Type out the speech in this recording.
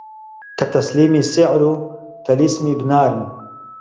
کە تەسلیمی سیحر و تەلیسمی بنارن